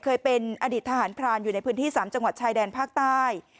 เคยเป็นอดีตทหารพรานอยู่ในพื้นที่๓จังหวัดชายแดนภาคใต้